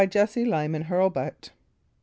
JESSE LYMAN HURLBUT, D.